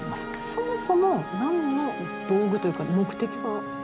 そもそも何の道具というか目的は？